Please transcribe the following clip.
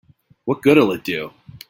What good'll it do?